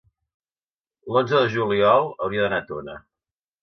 l'onze de juliol hauria d'anar a Tona.